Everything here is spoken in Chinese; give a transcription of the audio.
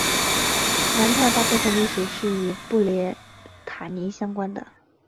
南特大部分历史是与布列塔尼相关的。